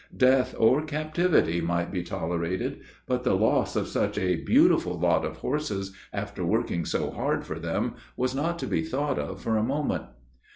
Death or captivity might be tolerated, but the loss of such a beautiful lot of horses, after working so hard for them, was not to be thought of for a moment.